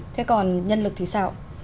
thế còn nhân lực thì sao